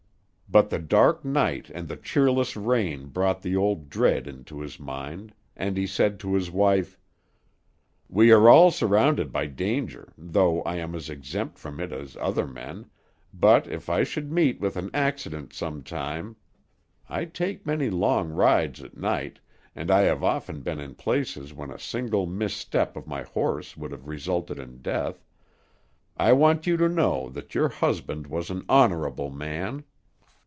But the dark night and the cheerless rain brought the old dread into his mind, and he said to his wife, "We are all surrounded by danger, though I am as exempt from it as other men, but if I should meet with an accident some time I take many long rides at night, and I have often been in places when a single misstep of my horse would have resulted in death I want you to know that your husband was an honorable man.